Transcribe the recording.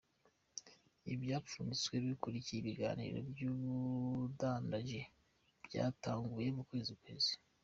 Ivyapfunditswe bikurikiye ibiganiro vy'ubudandaji vyatanguye mu kwezi guheze.